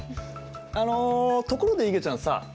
あのところでいげちゃんさ